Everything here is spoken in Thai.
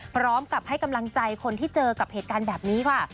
พร้อมกับให้กำลังใจคนที่เจอกับเหตุการณ์แบบนี้ค่ะ